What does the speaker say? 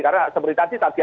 karena seperti tadi